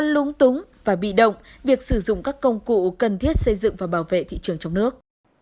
lúng túng và bị động việc sử dụng các công cụ cần thiết xây dựng và bảo vệ thị trường trong nước